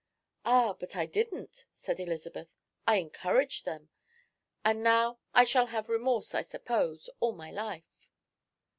"Ah, but I didn't," said Elizabeth. "I encouraged them. And now I shall have remorse, I suppose, all my life."